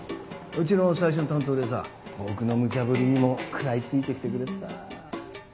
うちの最初の担当でさ僕のムチャブリにも食らい付いて来てくれてさ。